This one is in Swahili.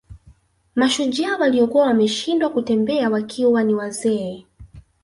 Mashujaa waliokuwa wameshindwa kutembea wakiwa ni wazee